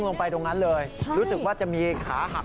แม่ชั้น